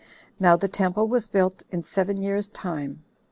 Now the temple was built in seven years' time.